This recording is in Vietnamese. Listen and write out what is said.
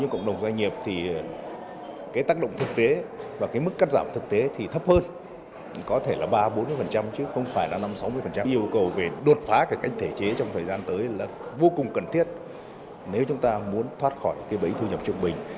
chúng ta muốn thoát khỏi cái bấy thu nhập trường bình